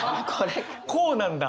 こうなんだ。